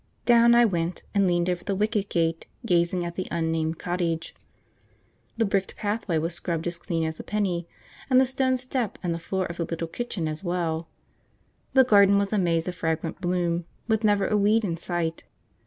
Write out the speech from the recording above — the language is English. Down I went, and leaned over the wicket gate, gazing at the unnamed cottage. The brick pathway was scrubbed as clean as a penny, and the stone step and the floor of the little kitchen as well. The garden was a maze of fragrant bloom, with never a weed in sight.